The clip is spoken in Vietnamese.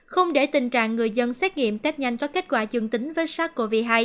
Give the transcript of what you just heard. không để tình trạng người dân xét nghiệm test nhanh có kết quả dương tính với sars cov hai